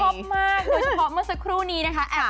ชอบมากโดยเฉพาะเมื่อสักครู่นี้นะคะ